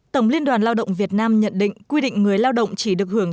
tổng liên đoàn lao động việt nam nhận định quy định người lao động chỉ được hưởng